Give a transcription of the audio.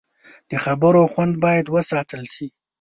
د خبرو خوند باید وساتل شي